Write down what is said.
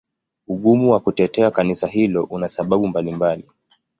Ugumu wa kutetea Kanisa hilo una sababu mbalimbali.